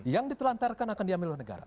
yang ditelantarkan akan diambil oleh negara